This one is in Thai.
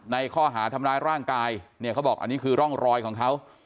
ในข้อหาทำร้ายร่างกายเนี่ยเขาบอกอันนี้คือร่องรอยของเขา